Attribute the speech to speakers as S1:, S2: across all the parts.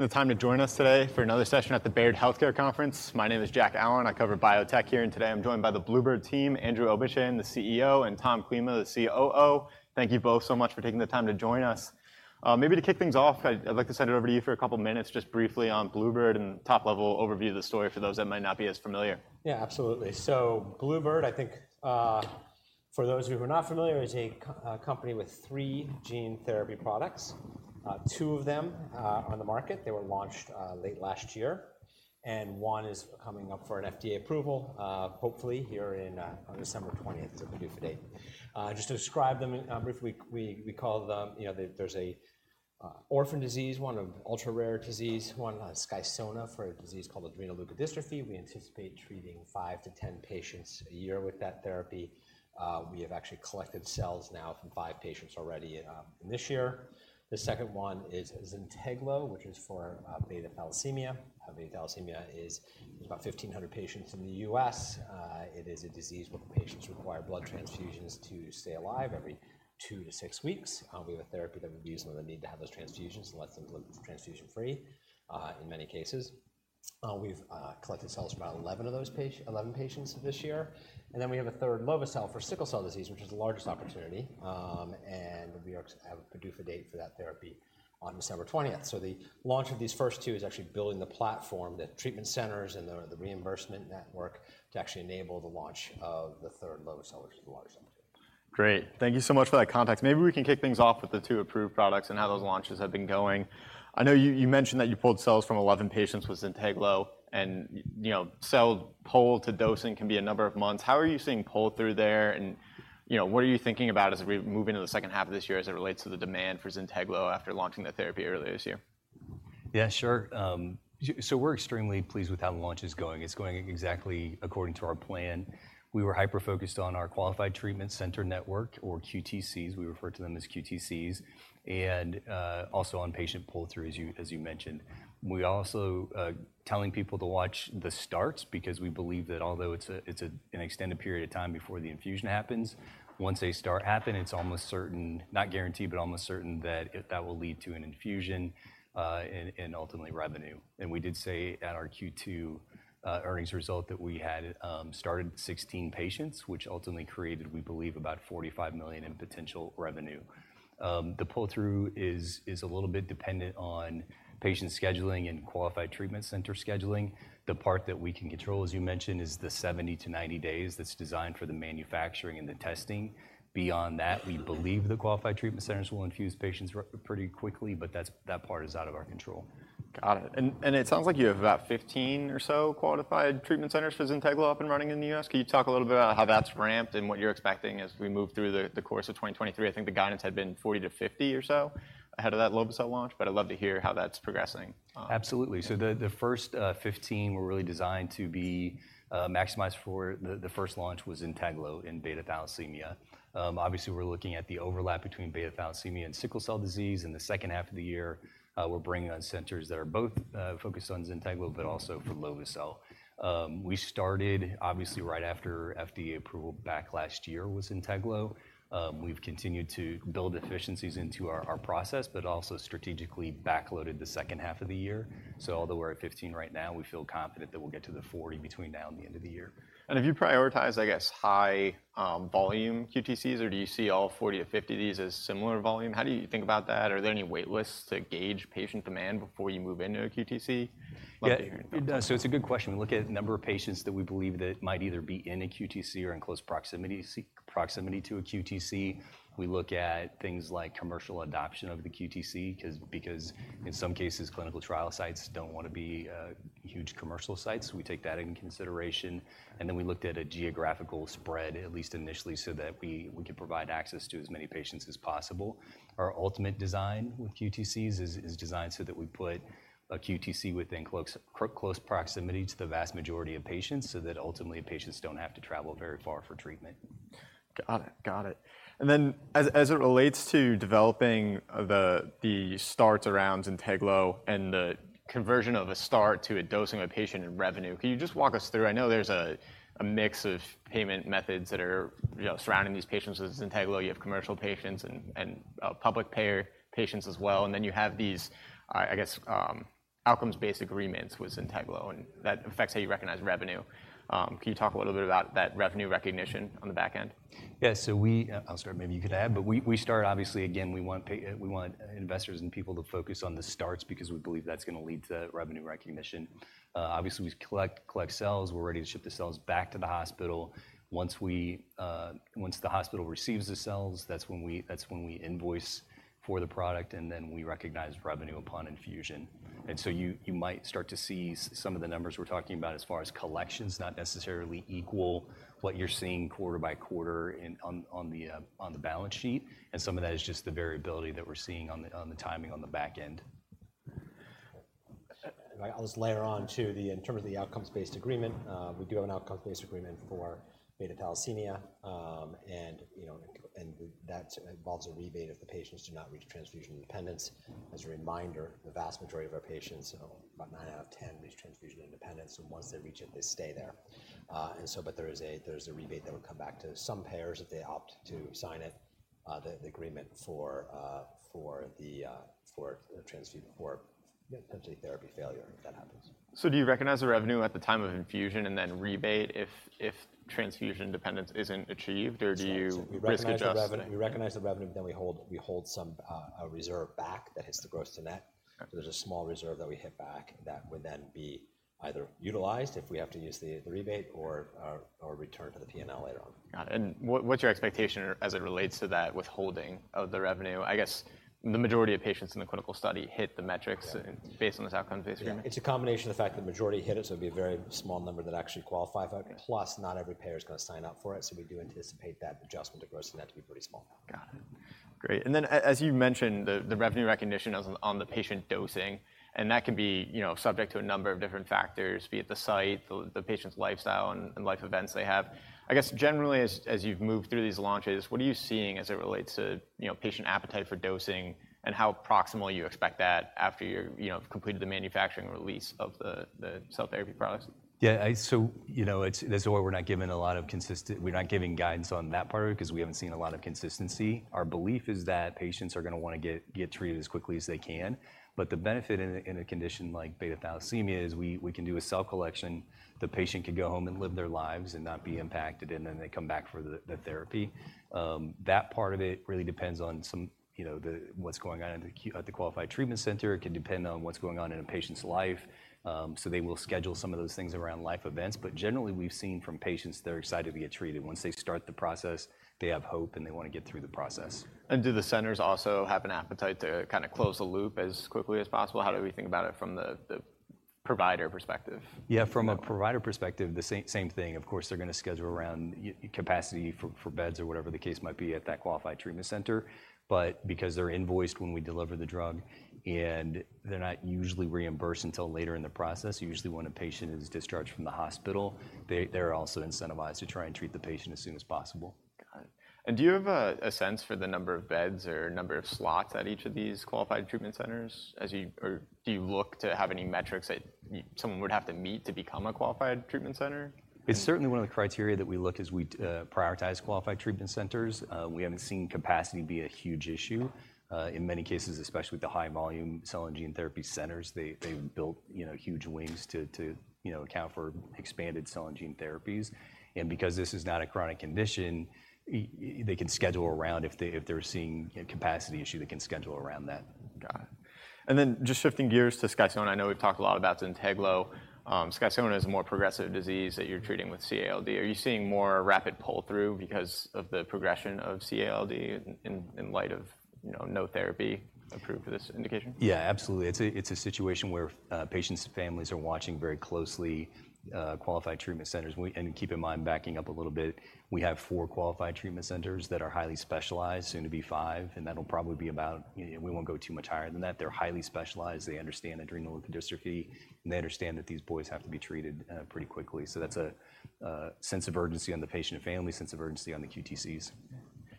S1: The time to join us today for another session at the Baird Healthcare Conference. My name is Jack Allen, I cover biotech here, and today I'm joined by the bluebird bio team, Andrew Obenshain, the CEO, and Tom Klima, the COO. Thank you both so much for taking the time to join us. Maybe to kick things off, I'd like to send it over to you for a couple minutes, just briefly on bluebird bio and top-level overview of the story for those that might not be as familiar.
S2: Yeah, absolutely. bluebird, I think, for those of you who are not familiar, is a company with three gene therapy products. Two of them are on the market. They were launched late last year, and one is coming up for an FDA approval, hopefully here on December 20th, the PDUFA date. Just to describe them briefly, we call them, you know, there's an orphan disease, one of ultra-rare disease, one, SKYSONA, for a disease called adrenoleukodystrophy. We anticipate treating 5-10 patients a year with that therapy. We have actually collected cells now from 5 patients already this year. The second one is ZYNTEGLO, which is for beta thalassemia. Beta thalassemia is about 1,500 patients in the U.S. It is a disease where the patients require blood transfusions to stay alive every 2-6 weeks. We have a therapy that reduces the need to have those transfusions and lets them live transfusion-free, in many cases. We've collected cells from about 11 of those 11 patients this year. And then we have a third, lovo-cel, for sickle cell disease, which is the largest opportunity, and we have a PDUFA date for that therapy on December 20th. So the launch of these first two is actually building the platform, the treatment centers, and the reimbursement network to actually enable the launch of the third lovo-cel, which is the largest opportunity.
S1: Great. Thank you so much for that context. Maybe we can kick things off with the two approved products and how those launches have been going. I know you mentioned that you pulled cells from 11 patients with ZYNTEGLO, and you know, cell pull to dosing can be a number of months. How are you seeing pull-through there, and, you know, what are you thinking about as we move into the second half of this year as it relates to the demand for ZYNTEGLO after launching the therapy earlier this year?
S3: Yeah, sure. So we're extremely pleased with how the launch is going. It's going exactly according to our plan. We were hyper-focused on our Qualified Treatment Center network, or QTCs, we refer to them as QTCs, and also on patient pull-through, as you mentioned. We're also telling people to watch the starts because we believe that although it's an extended period of time before the infusion happens, once they start happening, it's almost certain, not guaranteed, but almost certain that it will lead to an infusion and ultimately revenue. And we did say at our Q2 earnings result that we had started 16 patients, which ultimately created, we believe, about $45 million in potential revenue. The pull-through is a little bit dependent on patient scheduling and qualified treatment center scheduling. The part that we can control, as you mentioned, is the 70-90 days that's designed for the manufacturing and the testing. Beyond that, we believe the Qualified Treatment Centers will infuse patients pretty quickly, but that part is out of our control.
S1: Got it. And it sounds like you have about 15 or so qualified treatment centers for ZYNTEGLO up and running in the U.S. Can you talk a little bit about how that's ramped and what you're expecting as we move through the course of 2023? I think the guidance had been 40-50 or so ahead of that lovo-cel launch, but I'd love to hear how that's progressing.
S3: Absolutely. So the first 15 were really designed to be maximized for... The first launch was ZYNTEGLO in beta thalassemia. Obviously, we're looking at the overlap between beta thalassemia and sickle cell disease. In the second half of the year, we're bringing on centers that are both focused on ZYNTEGLO, but also for lovo-cel. We started, obviously, right after FDA approval back last year with ZYNTEGLO. We've continued to build efficiencies into our process, but also strategically backloaded the second half of the year. So although we're at 15 right now, we feel confident that we'll get to the 40 between now and the end of the year.
S1: Have you prioritized, I guess, high volume QTCs, or do you see all 40-50 of these as similar volume? How do you think about that? Are there any waitlists to gauge patient demand before you move into a QTC?
S3: Yeah, so it's a good question. We look at the number of patients that we believe that might either be in a QTC or in close proximity to a QTC. We look at things like commercial adoption of the QTC, because in some cases, clinical trial sites don't want to be huge commercial sites. We take that into consideration, and then we looked at a geographical spread, at least initially, so that we could provide access to as many patients as possible. Our ultimate design with QTCs is designed so that we put a QTC within close proximity to the vast majority of patients, so that ultimately, patients don't have to travel very far for treatment.
S1: Got it. Got it. And then, as it relates to developing the starts around ZYNTEGLO and the conversion of a start to a dosing of a patient and revenue, can you just walk us through? I know there's a mix of payment methods that are, you know, surrounding these patients with ZYNTEGLO. You have commercial patients and public payer patients as well, and then you have these, I guess, outcomes-based agreements with ZYNTEGLO, and that affects how you recognize revenue. Can you talk a little bit about that revenue recognition on the back end?
S3: Yeah, so we. I'm sorry, maybe you could add, but we start, obviously, again, we want investors and people to focus on the starts because we believe that's gonna lead to revenue recognition. Obviously, we collect cells. We're ready to ship the cells back to the hospital. Once the hospital receives the cells, that's when we invoice for the product, and then we recognize revenue upon infusion. And so you might start to see some of the numbers we're talking about as far as collections, not necessarily equal what you're seeing quarter by quarter in on the balance sheet. And some of that is just the variability that we're seeing on the timing on the back end.
S2: I'll just layer on to the, in terms of the outcomes-based agreement. We do have an outcomes-based agreement for beta thalassemia, and, you know, that involves a rebate if the patients do not reach transfusion independence. As a reminder, the vast majority of our patients, about nine out of ten reach transfusion independence, and once they reach it, they stay there. And so, but there's a rebate that would come back to some payers if they opt to sign it, the agreement for the transfusion or potentially therapy failure, if that happens.
S1: Do you recognize the revenue at the time of infusion and then rebate if transfusion dependence isn't achieved, or do you risk adjust?
S2: We recognize the revenue, we recognize the revenue, but then we hold, we hold some, a reserve back that hits the gross to net.
S1: Okay.
S2: So there's a small reserve that we hit back that would then be either utilized, if we have to use the rebate or returned to the P&L later on.
S1: Got it. And what, what's your expectation as it relates to that withholding of the revenue? I guess the majority of patients in the clinical study hit the metrics...
S2: Yeah.
S1: Based on this outcome phase.
S2: It's a combination of the fact that the majority hit it, so it'd be a very small number that actually qualify for it.
S1: Okay.
S2: Plus, not every payer is going to sign up for it, so we do anticipate that adjustment to gross net to be pretty small.
S1: Got it. Great, and then as you mentioned, the revenue recognition on the patient dosing, and that can be, you know, subject to a number of different factors, be it the site, the patient's lifestyle and life events they have. I guess generally as you've moved through these launches, what are you seeing as it relates to, you know, patient appetite for dosing and how proximally you expect that after you're, you know, completed the manufacturing release of the cell therapy products?
S3: Yeah, so you know, it's, that's why we're not giving a lot of consistent, we're not giving guidance on that part of it because we haven't seen a lot of consistency. Our belief is that patients are going to want to get, get treated as quickly as they can. But the benefit in a, in a condition like beta thalassemia is we, we can do a cell collection, the patient can go home and live their lives and not be impacted, and then they come back for the, the therapy. That part of it really depends on some, you know, the, what's going on at the Qualified Treatment Center. It can depend on what's going on in a patient's life. So they will schedule some of those things around life events. But generally, we've seen from patients, they're excited to get treated. Once they start the process, they have hope, and they want to get through the process.
S1: Do the centers also have an appetite to kind of close the loop as quickly as possible? How do we think about it from the provider perspective?
S3: Yeah, from a provider perspective, the same thing. Of course, they're going to schedule around capacity for beds or whatever the case might be at that Qualified Treatment Center. But because they're invoiced when we deliver the drug and they're not usually reimbursed until later in the process, usually when a patient is discharged from the hospital, they're also incentivized to try and treat the patient as soon as possible.
S1: Got it. And do you have a sense for the number of beds or number of slots at each of these Qualified Treatment Centers as you... Or do you look to have any metrics that someone would have to meet to become a Qualified Treatment Center?
S3: It's certainly one of the criteria that we look as we prioritize Qualified Treatment enters. We haven't seen capacity be a huge issue. In many cases, especially with the high-volume cell and gene therapy centers, they've built, you know, huge wings to you know account for expanded cell and gene therapies. And because this is not a chronic condition, they can schedule around if they're seeing a capacity issue, they can schedule around that.
S1: Got it. Then just shifting gears to SKYSONA, I know we've talked a lot about ZYNTEGLO. SKYSONA is a more progressive disease that you're treating with CALD. Are you seeing more rapid pull-through because of the progression of CALD in light of, you know, no therapy approved for this indication?
S3: Yeah, absolutely. It's a, it's a situation where, patients' families are watching very closely, qualified treatment centers. And keep in mind, backing up a little bit, we have 4 Qualified Treatment Centers that are highly specialized, soon to be 5, and that'll probably be about... We won't go too much higher than that. They're highly specialized. They understand adrenoleukodystrophy, and they understand that these boys have to be treated, pretty quickly. So that's a, a sense of urgency on the patient and family, sense of urgency on the QTCs.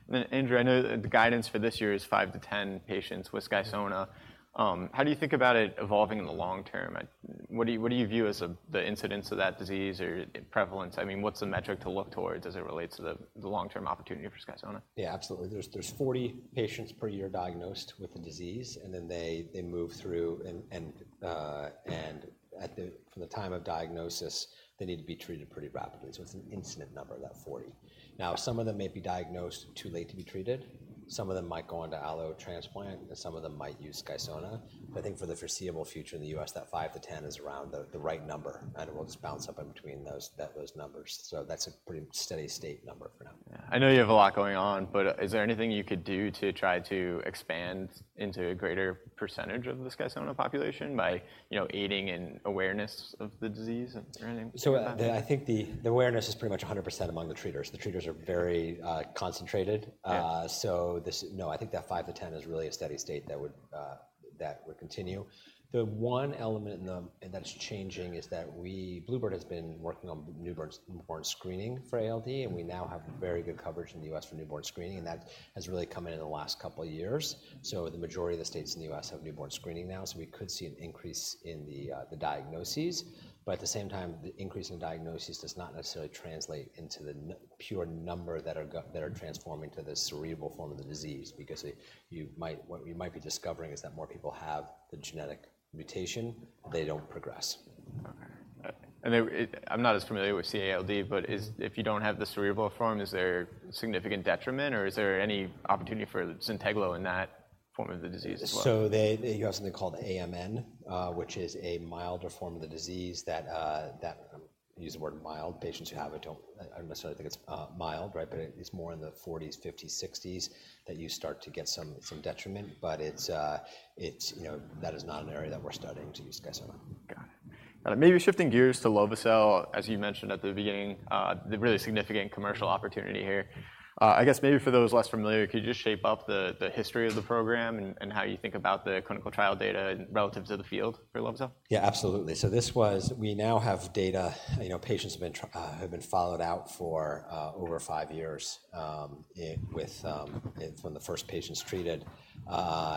S1: Then, Andrew, I know the guidance for this year is 5-10 patients with SKYSONA. How do you think about it evolving in the long term? What do you view as the incidence of that disease or prevalence? I mean, what's the metric to look towards as it relates to the long-term opportunity for SKYSONA?
S2: Yeah, absolutely. There's 40 patients per year diagnosed with the disease, and then they move through, and from the time of diagnosis, they need to be treated pretty rapidly. So it's an incidence number, that 40. Now, some of them may be diagnosed too late to be treated, some of them might go on to allo transplant, and some of them might use SKYSONA. I think for the foreseeable future in the U.S., that 5-10 is around the right number, and it will just bounce up in between those numbers. So that's a pretty steady state number for now.
S1: I know you have a lot going on, but is there anything you could do to try to expand into a greater percentage of the SKYSONA population by, you know, aiding in awareness of the disease or anything?
S2: So I think the awareness is pretty much 100% among the treaters. The treaters are very concentrated.
S1: Yeah.
S2: No, I think that 5-10 is really a steady state that would, that would continue. The one element that's changing is that Bluebird has been working on newborns, newborn screening for ALD, and we now have very good coverage in the U.S. for newborn screening, and that has really come in in the last couple of years. So the majority of the states in the U.S. have newborn screening now, so we could see an increase in the, the diagnoses. But at the same time, the increase in diagnoses does not necessarily translate into the number that are transforming to the cerebral form of the disease, because you might, what you might be discovering is that more people have the genetic mutation, they don't progress.
S1: Okay. And... I'm not as familiar with CALD, but if you don't have the cerebral form, is there significant detriment, or is there any opportunity for ZYNTEGLO in that form of the disease as well?
S2: So they have something called AMN, which is a milder form of the disease. I use the word mild. Patients who have it don't. I don't necessarily think it's mild, right? But it's more in the forties, fifties, sixties, that you start to get some detriment. But it's, you know, that is not an area that we're studying to use SKYSONA.
S1: Got it. Maybe shifting gears to lovo-cel, as you mentioned at the beginning, the really significant commercial opportunity here. I guess maybe for those less familiar, could you just shape up the, the history of the program and, and how you think about the clinical trial data relative to the field for lovo-cel?
S2: Yeah, absolutely. So this was. We now have data, you know, patients have been followed out for over 5 years from the first patients treated.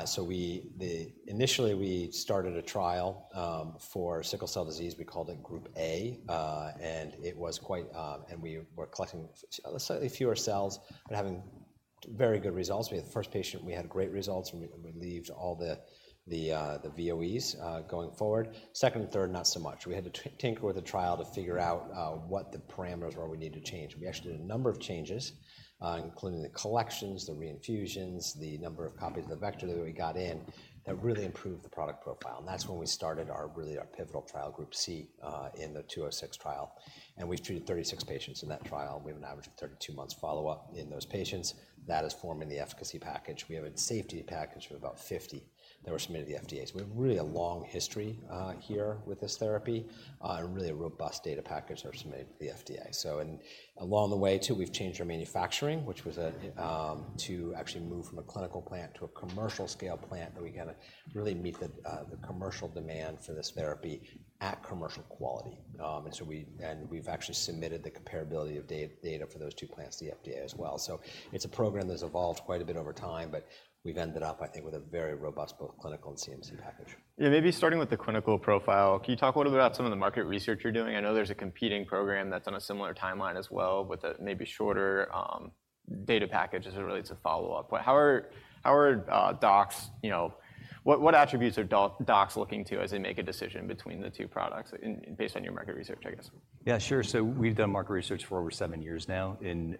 S2: So we initially started a trial for sickle cell disease. We called it Group A, and it was quite and we were collecting slightly fewer cells and having very good results. We had the first patient, we had great results, and we relieved all the VOEs going forward. Second and third, not so much. We had to tinker with the trial to figure out what the parameters were we needed to change. We actually did a number of changes, including the collections, the reinfusions, the number of copies of the vector that we got in, that really improved the product profile. That's when we started our, really our pivotal trial, Group C, in the 206 trial, and we've treated 36 patients in that trial. We have an average of 32 months follow-up in those patients. That is forming the efficacy package. We have a safety package of about 50 that were submitted to the FDA. So we have really a long history here with this therapy, and really a robust data package that was submitted to the FDA. And along the way, too, we've changed our manufacturing, which was a to actually move from a clinical plant to a commercial scale plant, that we got to really meet the commercial demand for this therapy at commercial quality. And so we and we've actually submitted the comparability of data for those two plants to the FDA as well. It's a program that's evolved quite a bit over time, but we've ended up, I think, with a very robust, both clinical and CMC package.
S1: Yeah, maybe starting with the clinical profile, can you talk a little about some of the market research you're doing? I know there's a competing program that's on a similar timeline as well, with a maybe shorter data package as it relates to follow-up. But how are docs... You know, what attributes are docs looking to as they make a decision between the two products, based on your market research, I guess?
S2: Yeah, sure. So we've done market research for over seven years now in,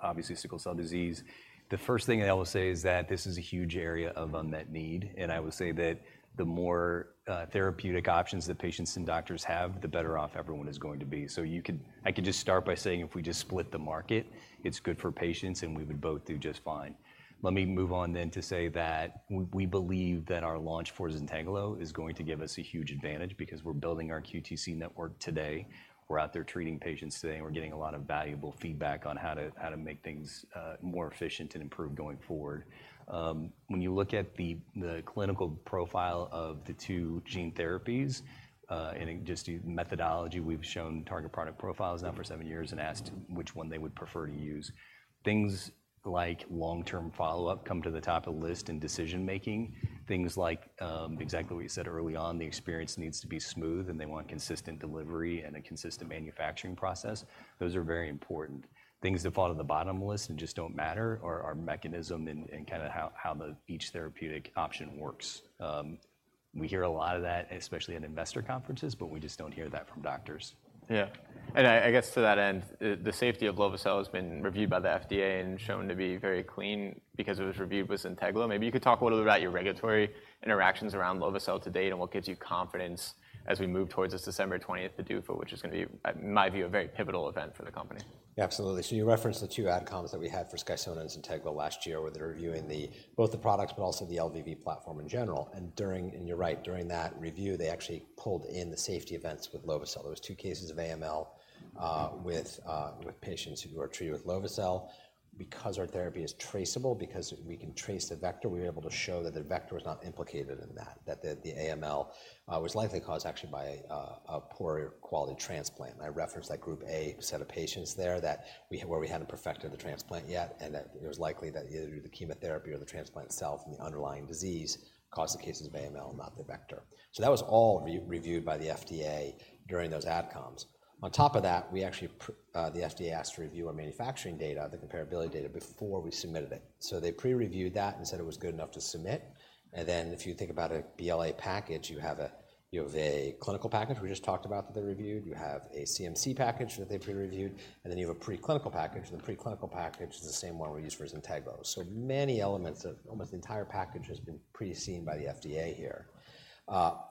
S2: obviously, sickle cell disease. The first thing I will say is that this is a huge area of unmet need, and I will say that the more therapeutic options that patients and doctors have, the better off everyone is going to be. So you could, I could just start by saying if we just split the market, it's good for patients, and we would both do just fine. Let me move on then to say that we believe that our launch for ZYNTEGLO is going to give us a huge advantage because we're building our QTC network today. We're out there treating patients today, and we're getting a lot of valuable feedback on how to make things more efficient and improve going forward. When you look at the clinical profile of the two gene therapies and just the methodology, we've shown target product profiles now for seven years and asked which one they would prefer to use. Things like long-term follow-up come to the top of the list in decision making. Things like exactly what you said early on, the experience needs to be smooth, and they want consistent delivery and a consistent manufacturing process. Those are very important. Things that fall to the bottom of the list and just don't matter are mechanism and kind of how the each therapeutic option works. We hear a lot of that, especially at investor conferences, but we just don't hear that from doctors.
S1: Yeah. And I guess to that end, the safety of lovo-cel has been reviewed by the FDA and shown to be very clean because it was reviewed with ZYNTEGLO. Maybe you could talk a little about your regulatory interactions around lovo-cel to date and what gives you confidence as we move towards this December 20th PDUFA, which is going to be, in my view, a very pivotal event for the company.
S2: Yeah, absolutely. So you referenced the two adcoms that we had for SKYSONA and ZYNTEGLO last year, where they were reviewing the, both the products, but also the LVV platform in general. And you're right, during that review, they actually pulled in the safety events with lovo-cel. There was 2 cases of AML with patients who were treated with lovo-cel. Because our therapy is traceable, because we can trace the vector, we were able to show that the vector was not implicated in that, that the AML was likely caused actually by a poor quality transplant. I referenced that Group A set of patients there that we had where we hadn't perfected the transplant yet, and that it was likely that either the chemotherapy or the transplant itself and the underlying disease caused the cases of AML, not the vector. So that was all re-reviewed by the FDA during those ADCOMS. On top of that, we actually, the FDA asked to review our manufacturing data, the comparability data, before we submitted it. So they pre-reviewed that and said it was good enough to submit, and then if you think about a BLA package, you have a, you have a clinical package we just talked about, that they reviewed, you have a CMC package that they pre-reviewed, and then you have a preclinical package. The preclinical package is the same one we used for ZYNTEGLO. So many elements of almost the entire package has been pre-seen by the FDA here.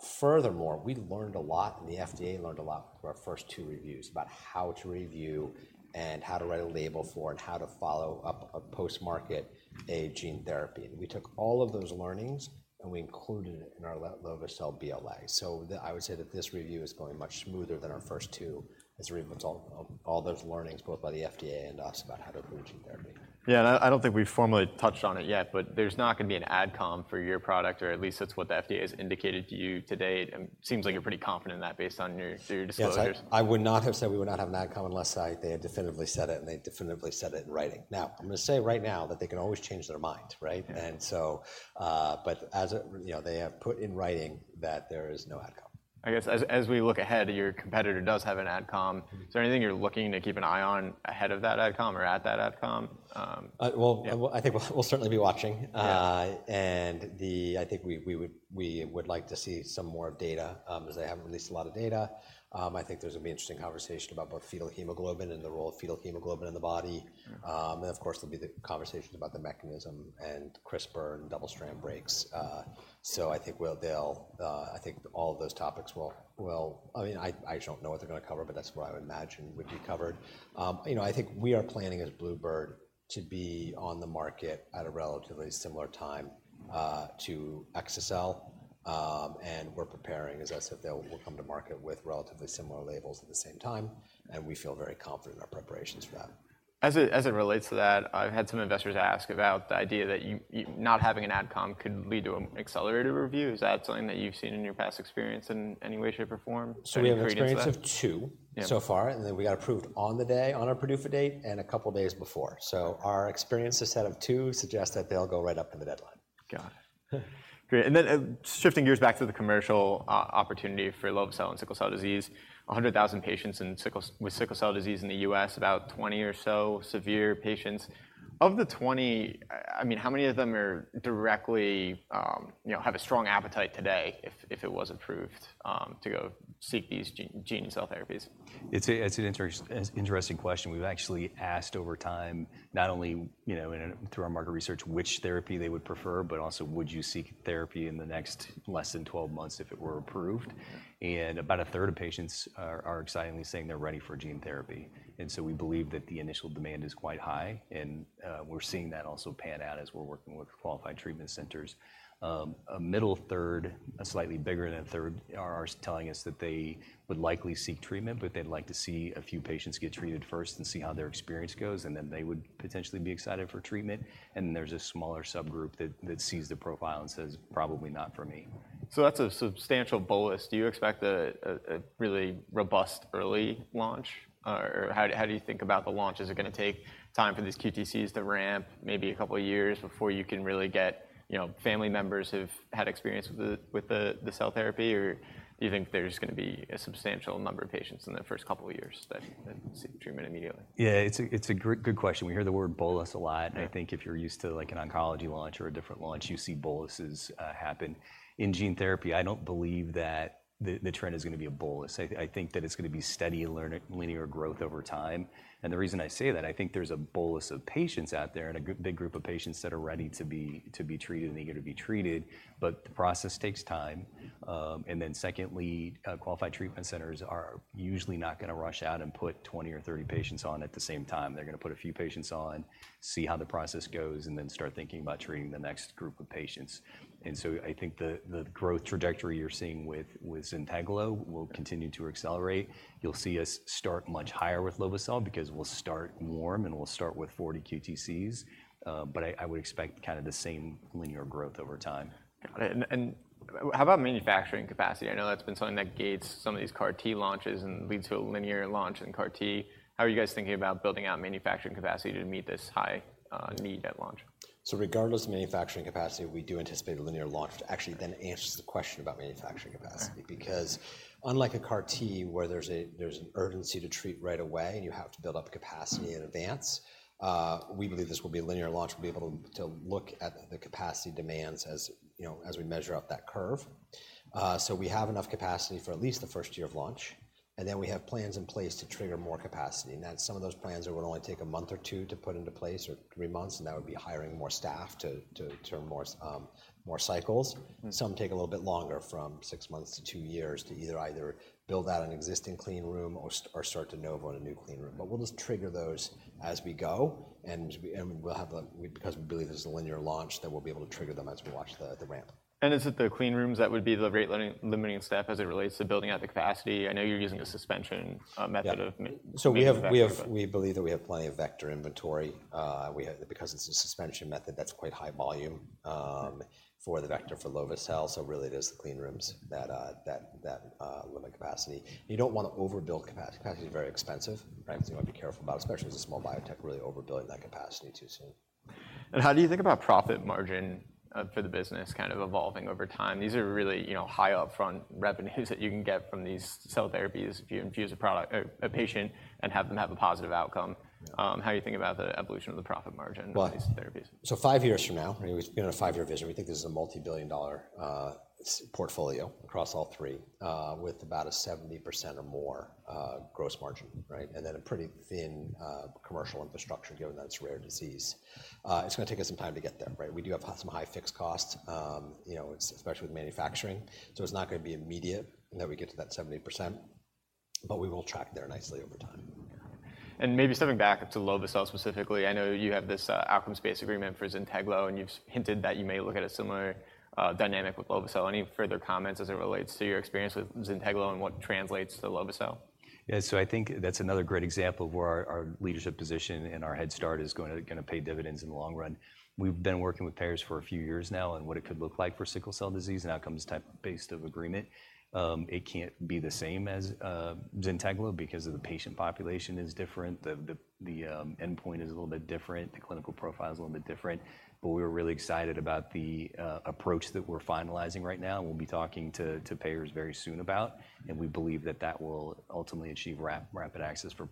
S2: Furthermore, we learned a lot, and the FDA learned a lot from our first two reviews about how to review and how to write a label for and how to follow up a post-market, a gene therapy. We took all of those learnings, and we included it in our lovo-cel BLA. So, I would say that this review is going much smoother than our first two, as a result of all those learnings, both by the FDA and us, about how to do gene therapy.
S1: Yeah, and I don't think we've formally touched on it yet, but there's not going to be an adcom for your product, or at least that's what the FDA has indicated to you to date, and seems like you're pretty confident in that based on your disclosures.
S2: Yes, I would not have said we would not have an adcom unless they had definitively said it, and they definitively said it in writing. Now, I'm going to say right now that they can always change their mind, right?
S1: Yeah.
S2: But as a... You know, they have put in writing that there is no adcom.
S1: I guess as we look ahead, your competitor does have an adcom.
S2: Mm-hmm.
S1: Is there anything you're looking to keep an eye on ahead of that adcom or at that adcom?
S2: Uh, well-
S1: Yeah....
S2: I think we'll certainly be watching.
S1: Yeah.
S2: And I think we would like to see some more data, as they haven't released a lot of data. I think there's going to be interesting conversation about both fetal hemoglobin and the role of fetal hemoglobin in the body. And of course, there'll be the conversations about the mechanism and CRISPR and double-strand breaks. So I think they'll... I think all of those topics will. I mean, I don't know what they're going to cover, but that's what I would imagine would be covered. You know, I think we are planning, as bluebird, to be on the market at a relatively similar time to exa-cel, and we're preparing, as I said, we'll come to market with relatively similar labels at the same time, and we feel very confident in our preparations for that.
S1: As it relates to that, I've had some investors ask about the idea that you not having an adcom could lead to an accelerated review. Is that something that you've seen in your past experience in any way, shape, or form? Any experience with that?
S2: So we have experience of two...
S1: Yeah.
S2: So far, and then we got approved on the day, on our PDUFA date, and a couple days before. So our experience, a set of two, suggests that they'll go right up to the deadline.
S1: Got it. Great, and then shifting gears back to the commercial opportunity for lovo-cel and sickle cell disease, 100,000 patients with sickle cell disease in the U.S., about 20 or so severe patients. Of the 20, I mean, how many of them are directly, you know, have a strong appetite today if it was approved to go seek these gene cell therapies?
S3: It's an interesting question. We've actually asked over time, not only, you know, through our market research, which therapy they would prefer, but also, would you seek therapy in the next less than 12 months if it were approved? And about a third of patients are excitingly saying they're ready for gene therapy. And so we believe that the initial demand is quite high, and we're seeing that also pan out as we're working with qualified treatment centers. A middle third, a slightly bigger than a third, are telling us that they would likely seek treatment, but they'd like to see a few patients get treated first and see how their experience goes, and then they would potentially be excited for treatment. And then there's a smaller subgroup that sees the profile and says, "Probably not for me.
S1: So that's a substantial bolus. Do you expect a really robust early launch? Or how do you think about the launch? Is it gonna take time for these QTCs to ramp, maybe a couple of years before you can really get, you know, family members who've had experience with the cell therapy? Or do you think there's gonna be a substantial number of patients in the first couple of years that seek treatment immediately?
S3: Yeah, it's a good question. We hear the word bolus a lot-
S1: Yeah.
S3: I think if you're used to, like, an oncology launch or a different launch, you see boluses happen. In gene therapy, I don't believe that the trend is gonna be a bolus. I think that it's gonna be steady and linear growth over time. And the reason I say that, I think there's a bolus of patients out there and a big group of patients that are ready to be treated, and they're going to be treated, but the process takes time. And then secondly, Qualified Treatment Centers are usually not gonna rush out and put 20 or 30 patients on at the same time. They're gonna put a few patients on, see how the process goes, and then start thinking about treating the next group of patients. So I think the growth trajectory you're seeing with ZYNTEGLO will continue to accelerate. You'll see us start much higher with lovo-cel because we'll start warm, and we'll start with 40 QTCs, but I would expect kind of the same linear growth over time.
S1: Got it. And how about manufacturing capacity? I know that's been something that gates some of these CAR T launches and leads to a linear launch in CAR T. How are you guys thinking about building out manufacturing capacity to meet this high need at launch?
S3: Regardless of manufacturing capacity, we do anticipate a linear launch, which actually then answers the question about manufacturing capacity.
S1: Okay.
S3: Because unlike a CAR T, where there's an urgency to treat right away, and you have to build up capacity in advance, we believe this will be a linear launch. We'll be able to look at the capacity demands as, you know, as we measure up that curve. So we have enough capacity for at least the first year of launch, and then we have plans in place to trigger more capacity. And that's some of those plans that would only take a month or two to put into place, or three months, and that would be hiring more staff to more cycles.
S1: Mm.
S3: Some take a little bit longer, from 6 months to 2 years, to either build out an existing clean room or start to de novo in a new clean room. But we'll just trigger those as we go, and we'll have a... Because we believe this is a linear launch, that we'll be able to trigger them as we watch the ramp.
S1: And is it the clean rooms that would be the great limiting step as it relates to building out the capacity? I know you're using a suspension.
S3: Yeah.
S1: Method of ma....
S3: So we have...
S1: Manufacturing.
S3: We have, we believe that we have plenty of vector inventory. We have, because it's a suspension method, that's quite high volume.
S1: Mm.
S3: For the vector for lovo-cel, so really, it is the clean rooms that limit capacity. You don't want to overbuild capacity. Capacity is very expensive, right? So you want to be careful about, especially as a small biotech, really overbuilding that capacity too soon.
S1: How do you think about profit margin for the business kind of evolving over time? These are really, you know, high upfront revenues that you can get from these cell therapies if you infuse a product, a patient and have them have a positive outcome. How are you thinking about the evolution of the profit margin-
S3: Well...
S1: For these therapies?
S3: So five years from now, I mean, we've been on a five-year vision. We think this is a multi-billion dollar portfolio across all three, with about a 70% or more gross margin, right? And then a pretty thin commercial infrastructure, given that it's rare disease. It's gonna take us some time to get there, right? We do have some high fixed costs, you know, especially with manufacturing, so it's not gonna be immediate that we get to that 70%, but we will track there nicely over time.
S1: Maybe stepping back to lovo-cel specifically, I know you have this outcomes-based agreement for ZYNTEGLO, and you've hinted that you may look at a similar dynamic with lovo-cel. Any further comments as it relates to your experience with ZYNTEGLO and what translates to lovo-cel?
S3: Yeah, so I think that's another great example of where our leadership position and our head start is gonna pay dividends in the long run. We've been working with payers for a few years now, and what it could look like for sickle cell disease, an outcomes-type-based agreement. It can't be the same as ZYNTEGLO because of the patient population is different, the endpoint is a little bit different, the clinical profile is a little bit different. But we're really excited about the approach that we're finalizing right now, and we'll be talking to payers very soon about, and we believe that that will ultimately achieve rapid access for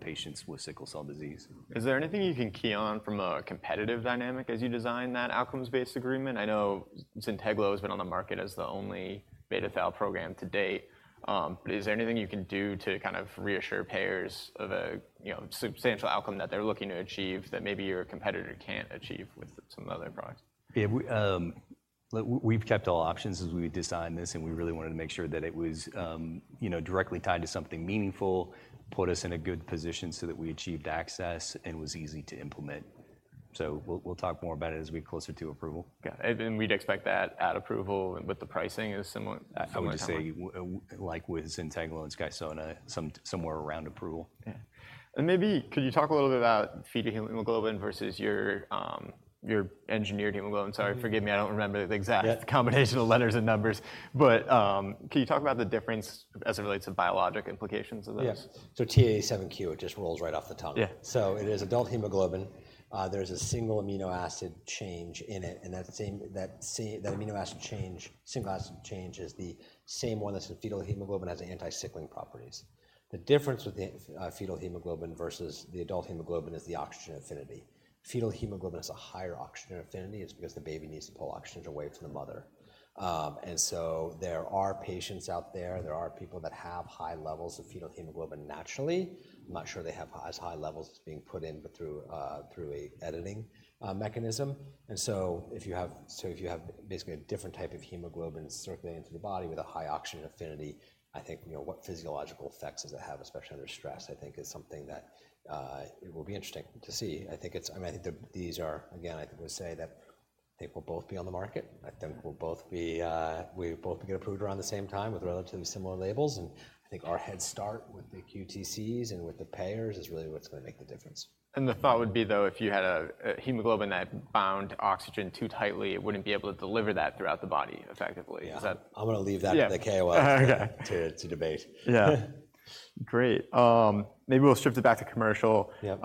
S3: patients with sickle cell disease.
S1: Is there anything you can key on from a competitive dynamic as you design that outcomes-based agreement? I know ZYNTEGLO has been on the market as the only beta thal program to date, but is there anything you can do to kind of reassure payers of a, you know, substantial outcome that they're looking to achieve that maybe your competitor can't achieve with some of the other products?
S3: Yeah, we've kept all options as we designed this, and we really wanted to make sure that it was, you know, directly tied to something meaningful, put us in a good position so that we achieved access and was easy to implement. So we'll talk more about it as we get closer to approval.
S1: Okay, and then we'd expect that at approval, with the pricing, is similar at the same time?
S3: I would say, like with ZYNTEGLO and SKYSONA, somewhere around approval.
S1: Yeah. And maybe could you talk a little bit about fetal hemoglobin versus your, your engineered hemoglobin? Sorry, forgive me, I don't remember the exact...
S3: Yeah..
S1: Combination of letters and numbers. But, can you talk about the difference as it relates to biologic implications of those?
S3: Yes. So HbAT87Q, it just rolls right off the tongue.
S1: Yeah.
S3: So it is adult hemoglobin. There's a single amino acid change in it, and that same, that same, that amino acid change, single acid change, is the same one that's in fetal hemoglobin, has the anti-sickling properties. The difference with the fetal hemoglobin versus the adult hemoglobin is the oxygen affinity.
S2: Fetal hemoglobin has a higher oxygen affinity. It's because the baby needs to pull oxygen away from the mother. And so there are patients out there, there are people that have high levels of fetal hemoglobin naturally. I'm not sure they have as high levels as being put in, but through an editing mechanism. So if you have basically a different type of hemoglobin circulating into the body with a high oxygen affinity, I think, you know, what physiological effects does it have, especially under stress, I think is something that it will be interesting to see. I think it's. I mean, I think the, these are... Again, I think we say that they will both be on the market. I think we'll both be, we both get approved around the same time with relatively similar labels, and I think our head start with the QTCs and with the payers is really what's gonna make the difference.
S1: The thought would be, though, if you had a hemoglobin that bound oxygen too tightly, it wouldn't be able to deliver that throughout the body effectively.
S2: Yeah.
S1: Is that...
S2: I'm gonna leave that...
S1: Yeah.
S2: To the Q&As.
S1: Okay.
S2: To debate.
S1: Yeah. Great. Maybe we'll shift it back to commercial.
S2: Yeah.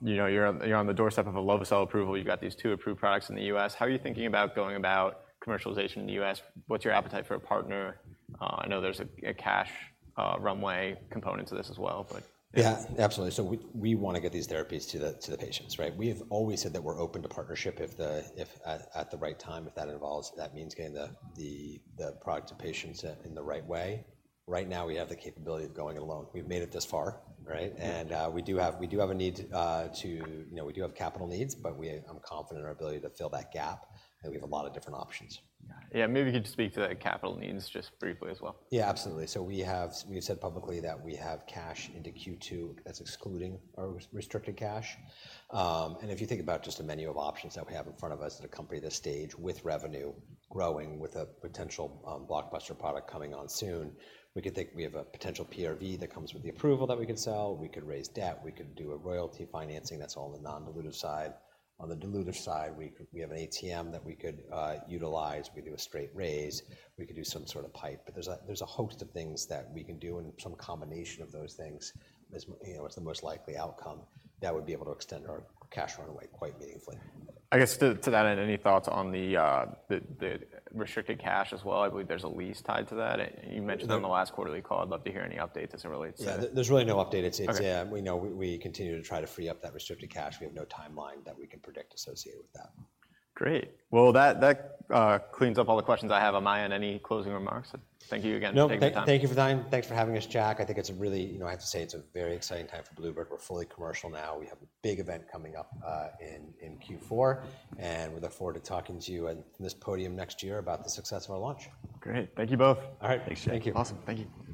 S1: You know, you're on the doorstep of a lovo-cel approval. You've got these two approved products in the US. How are you thinking about going about commercialization in the US? What's your appetite for a partner? I know there's a cash runway component to this as well, but...
S2: Yeah, absolutely. So we wanna get these therapies to the patients, right? We have always said that we're open to partnership if at the right time, if that involves—if that means getting the product to patients in the right way. Right now, we have the capability of going it alone. We've made it this far, right?
S1: Yeah.
S2: We do have a need to. You know, we do have capital needs, but I'm confident in our ability to fill that gap, and we have a lot of different options.
S1: Yeah. Maybe you could speak to that capital needs just briefly as well.
S2: Yeah, absolutely. So we have—we've said publicly that we have cash into Q2 that's excluding our restricted cash. And if you think about just a menu of options that we have in front of us as a company at this stage with revenue growing, with a potential blockbuster product coming on soon, we could think we have a potential PRV that comes with the approval that we could sell, we could raise debt, we could do a royalty financing, that's all on the non-dilutive side. On the dilutive side, we could—we have an ATM that we could utilize. We do a straight raise, we could do some sort of PIPE. But there's a host of things that we can do, and some combination of those things is, you know, what's the most likely outcome that would be able to extend our cash runway quite meaningfully.
S1: I guess to that end, any thoughts on the restricted cash as well? I believe there's a lease tied to that.
S2: Yeah.
S1: You mentioned on the last quarterly call. I'd love to hear any update as it relates to that.
S2: Yeah, there's really no update.
S1: Okay.
S2: It's, yeah, we know we continue to try to free up that restricted cash. We have no timeline that we can predict associated with that.
S1: Great. Well, that cleans up all the questions I have. Amaya, any closing remarks? Thank you again for taking the time.
S2: No, thank you for the time. Thanks for having us, Jack. I think it's a really... You know, I have to say it's a very exciting time for bluebird bio. We're fully commercial now. We have a big event coming up in Q4, and we look forward to talking to you at this podium next year about the success of our launch.
S1: Great. Thank you both.
S2: All right. Thanks, Jack.
S3: Thank you.
S1: Awesome. Thank you.